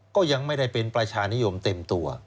ก็ยังไม่ได้เป็นประชานิยมเต็มตัว